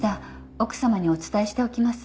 奥様にお伝えしておきます。